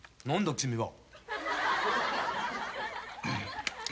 君は。